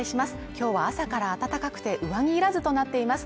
今日は朝から暖かくて、上着いらずとなっています。